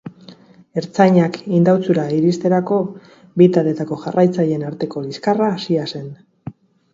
Ertzainak Indautxura iristerako, bi taldeetako jarraitzaileen arteko liskarra hasia zen.